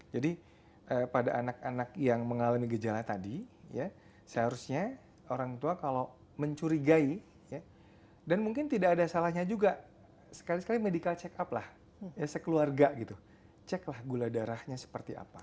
jadi pada anak anak yang mengalami gejala tadi seharusnya orang tua kalau mencurigai dan mungkin tidak ada salahnya juga sekali sekali medical check up lah sekeluarga gitu ceklah gula darahnya seperti apa